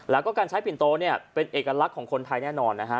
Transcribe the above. แล้วก็การใช้ปิ่นโตเนี่ยเป็นเอกลักษณ์ของคนไทยแน่นอนนะฮะ